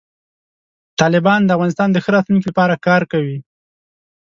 طالبان د افغانستان د ښه راتلونکي لپاره کار کوي.